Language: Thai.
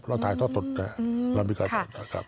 เราถ่ายทอดสดแน่เรามีการทำได้ครับ